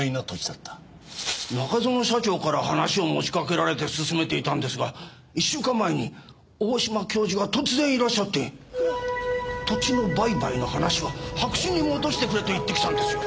中園社長から話を持ちかけられて進めていたんですが１週間前に大島教授が突然いらっしゃって土地の売買の話は白紙に戻してくれと言ってきたんですよ。